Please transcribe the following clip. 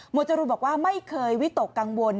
จรูนบอกว่าไม่เคยวิตกกังวล